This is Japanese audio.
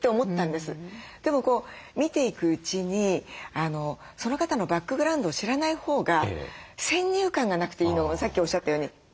でも見ていくうちにその方のバックグラウンドを知らないほうが先入観がなくていいのさっきおっしゃったように。